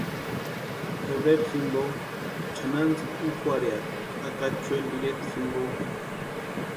Febrero jimpo chʼanantsïkua úkwarhiati Acachueni ireta jimpo.